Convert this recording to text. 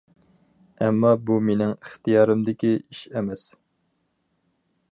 ئەمما بۇ مېنىڭ ئىختىيارىمدىكى ئىش ئەمەس.